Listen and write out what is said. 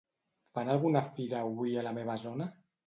Fan alguna fira avui a la meva zona?